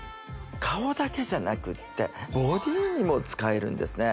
顔だけじゃなくってボディーにも使えるんですね